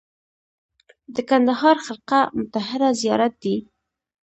د کندهار خرقه مطهره زیارت دی